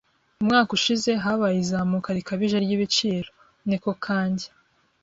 Umwaka ushize habaye izamuka rikabije ryibiciro. (NekoKanjya)